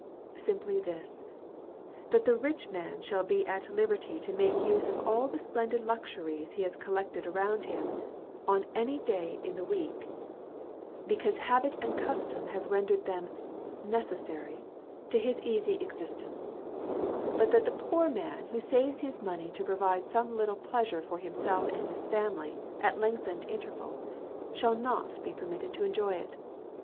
Simply this—that the rich man shall be at liberty to make use of all the splendid luxuries he has collected around him, on any day in the week, because habit and custom have rendered them 'necessary' to his easy existence; but that the poor man who saves his money to provide some little pleasure for himself and family at lengthened intervals, shall not be permitted to enjoy it.